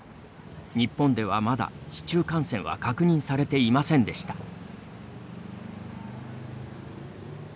日本では、まだ市中感染は確認されていませんでした。